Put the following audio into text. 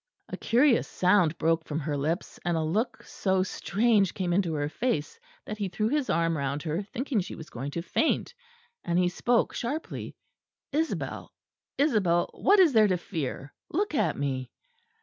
A curious sound broke from her lips; and a look so strange came into her face that he threw his arm round her, thinking she was going to faint: and he spoke sharply. "Isabel, Isabel, what is there to fear? Look at me!"